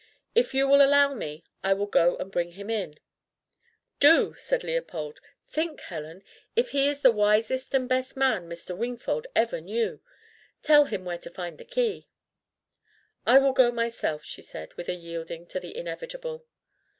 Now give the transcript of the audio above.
If you will allow me, I will go and bring him in." "Do," said Leopold. "Think, Helen! If he is the wisest and best man Mr. Wingfold ever knew! Tell him where to find the key." "I will go myself," she said with a yielding to the inevitable.